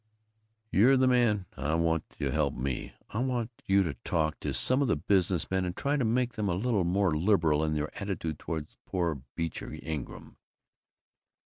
"You're the man I want to help me. I want you to talk to some of the business men and try to make them a little more liberal in their attitude toward poor Beecher Ingram."